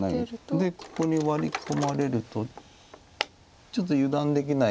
でここにワリ込まれるとちょっと油断できない。